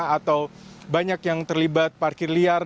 atau banyak yang terlibat parkir liar